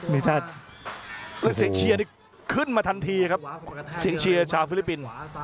เรื่องเสียงเชียวสี่ขึ้นมานักทั้งทีครับเสียงเชียวชาวฟิลิปปินก์